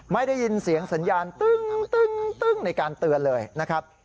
ไม่ได้ยินเสียงสัญญาณตึ้งในการเตือนเลยนะครับ